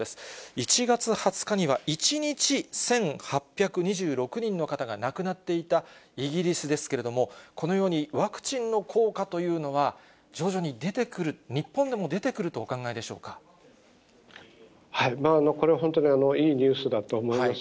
１月２０日には１日１８２６人の方が亡くなっていたイギリスですけれども、このようにワクチンの効果というのは、徐々に出てくる、日本でもこれは本当にいいニュースだと思います。